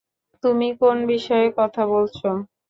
তুমি কোন বিষয়ে কথা বলছো?